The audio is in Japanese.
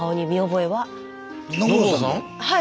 はい！